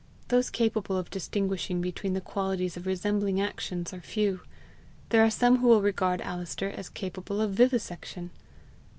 Those capable of distinguishing between the qualities of resembling actions are few. There are some who will regard Alister as capable of vivisection.